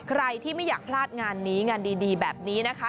ใครที่ไม่อยากพลาดงานนี้งานดีแบบนี้นะคะ